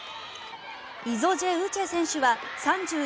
イゾジェ・ウチェ選手は３１